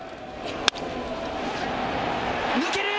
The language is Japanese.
抜ける！